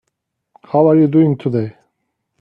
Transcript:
How are you doing today?